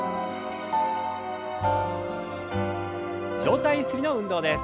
上体ゆすりの運動です。